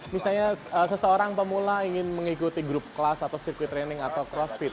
misalnya seseorang pemula ingin mengikuti grup kelas atau sirkuit training atau crossfit